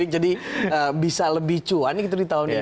jadi bisa lebih cuan gitu di tahun ini